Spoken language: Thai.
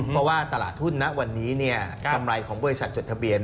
เพราะว่าตลาดทุนณวันนี้กำไรของบริษัทจดทะเบียน